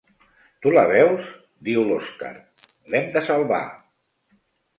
Tu la veus? —diu l'Òskar— L'hem de salvar.